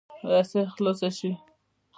رسۍ خلاصه شي.